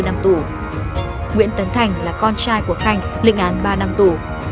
nguyễn tấn thành là con trai của khanh lĩnh án ba năm tù